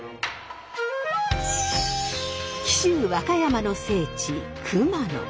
紀州和歌山の聖地熊野。